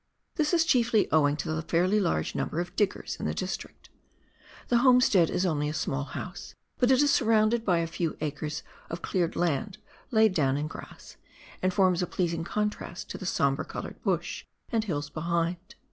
This is chieflj' owing to the fairly large number of diggers in the district. The homestead is onlj' a small house, but it is surrounded by a few acres of cleared land laid down in grass, and forms a pleasing contrast to the sombre coloured bush and hills behind.